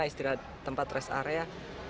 karena istirahat tempat rest area